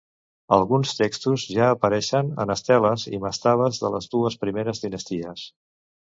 Alguns textos ja apareixen en esteles i mastabes de les dues primeres dinasties.